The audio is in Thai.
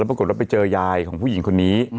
ปรากฏว่าไปเจอยายของผู้หญิงคนนี้